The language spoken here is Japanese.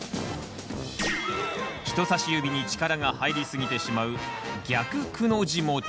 人さし指に力が入りすぎてしまう「逆『く』の字持ち」。